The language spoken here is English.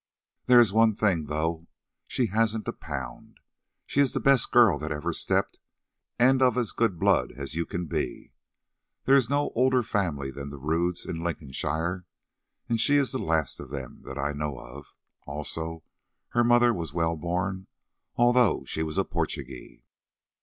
There is one thing: though she hasn't a pound, she is the best girl that ever stepped, and of as good blood as you can be. There is no older family than the Rodds in Lincolnshire, and she is the last of them that I know of; also, her mother was well born, although she was a Portugee.